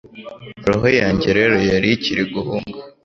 roho yanjye rero yari ikiri guhunga